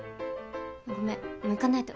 ごめんもう行かないと。